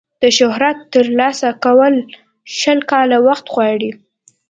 د شهرت ترلاسه کول شل کاله وخت غواړي.